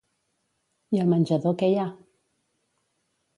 I al menjador què hi ha?